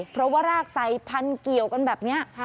เพราะว่ารากใส่พันเกี่ยวกันแบบนี้